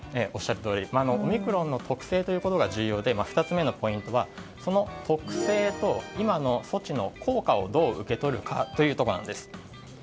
おっしゃるとおりオミクロンの特性が重要で２つ目のポイントはその特性と、今の措置の効果をどう受け取るかというところなんです。